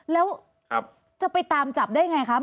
แล้วจะไปตามจับได้อย่างไรคะ